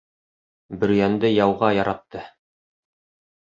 Бөрйәнде яуға яратты.